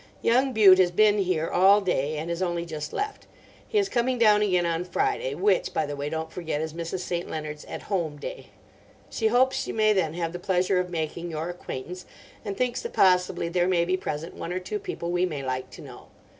Young Bute has been here all day, and has only just left. He is coming down again on Friday—which, by the way, don't forget is Mrs. St. Leonard's 'At Home' day. She hopes she may then have the pleasure of making your acquaintance, and thinks that possibly there may be present one or two people we may like to know.